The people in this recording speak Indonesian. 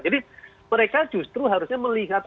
jadi mereka justru harusnya melihat